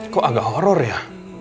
kok agak horror ya